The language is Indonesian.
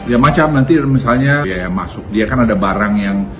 ya macam nanti misalnya kayak masuk dia kan ada barang yang